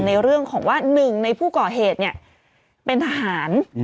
ในเรื่องของว่าหนึ่งในผู้ก่อเหตุเป็นทหาร